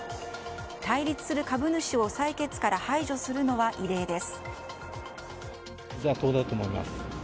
対立する株主を採決から排除するのは異例です。